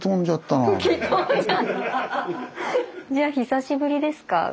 じゃあ久しぶりですか？